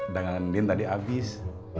dengan din tadi abis